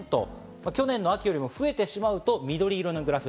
去年の秋より増えてしまうと緑色のグラフ。